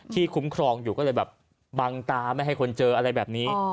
คุ้มครองอยู่ก็เลยแบบบังตาไม่ให้คนเจออะไรแบบนี้